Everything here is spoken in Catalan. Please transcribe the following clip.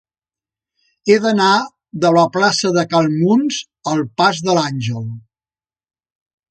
He d'anar de la plaça de Cal Muns al pas de l'Àngel.